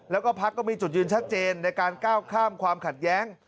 แล้วก็พักก็มีจุดยืนชัดเจนในการก้าวข้ามความขัดแย้ง